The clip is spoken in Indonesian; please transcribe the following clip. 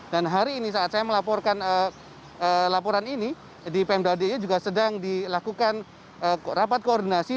dan hari ini saat saya melaporkan laporan ini di pemda d i juga sedang dilakukan rapat koordinasi